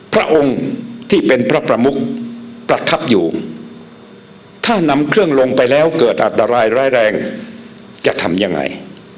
พระองค์ที่เป็นพระประมุกประทับอยู่ถ้านำเครื่องลงไปแล้วเกิดอันตรายร้ายแรงจะทำยังไง